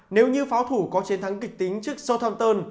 nếu như pháo thủ có chiến thắng kịch tính trước sothanton